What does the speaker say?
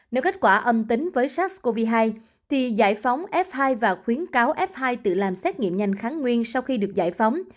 nếu kết quả âm tính với sars cov hai thì giải phóng f hai và khuyến cáo f hai tự làm xét nghiệm nhanh kháng nguyên sau khi được giải phóng